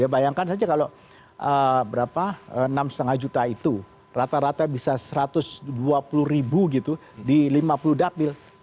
bayangkan saja kalau enam lima juta itu rata rata bisa satu ratus dua puluh ribu gitu di lima puluh dapil